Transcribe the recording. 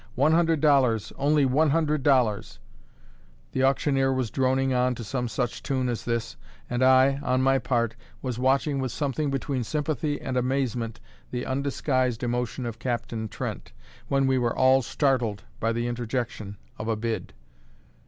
One hundred dollars, only one hundred dollars " The auctioneer was droning on to some such tune as this, and I, on my part, was watching with something between sympathy and amazement the undisguised emotion of Captain Trent, when we were all startled by the interjection of a bid.